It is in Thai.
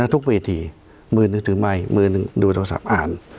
ทุกเวทีมือหนึ่งถือไมค์มือหนึ่งดูโทรศัพท์อ่าน